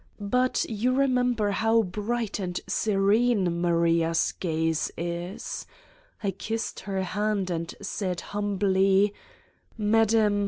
But you remember how bright and serene Maria's gaze is 1 I kissed her hand and said humbly :*' Madam